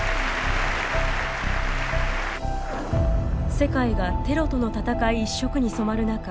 世界がテロとの戦い一色に染まる中